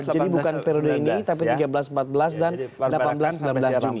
jadi bukan periode ini tapi tiga belas empat belas dan delapan belas sembilan belas juni